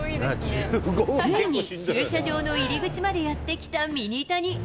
ついに駐車場の入り口までやって来たミニタニ。